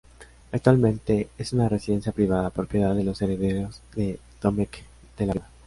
Actualmente es una residencia privada, propiedad de los herederos de Domecq de la Riva.